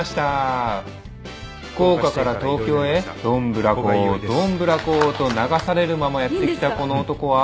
福岡から東京へどんぶらこどんぶらこと流されるままやって来たこの男は。